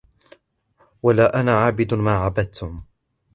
وَلَا أَنَا عَابِدٌ مَا عَبَدْتُمْ